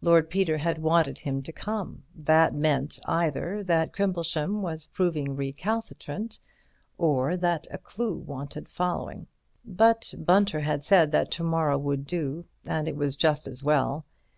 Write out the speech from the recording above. Lord Peter had wanted him to come: that meant, either that Crimplesham was proving recalcitrant or that a clue wanted following. But Bunter had said that to morrow would do, and it was just as well.